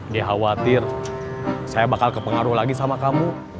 dia khawatir saya bakal kepengaruh lagi sama kamu